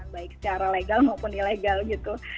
baik secara legal maupun ilegal gitu